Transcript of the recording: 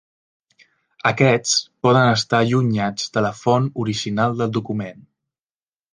Aquests poden estar allunyats de la font original del document.